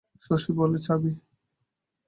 শশী বলে, চাবি?